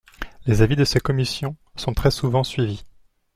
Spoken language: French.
Les avis de ces commissions sont très souvent suivis.